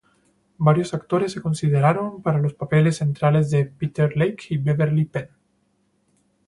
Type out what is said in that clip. Varios actores se consideraron para los papeles centrales de Peter Lake y Beverley Penn.